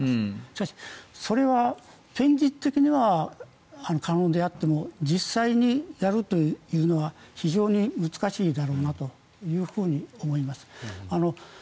しかし、それは現実的には可能であっても実際にやるというのは非常に難しいんだろうなと思います。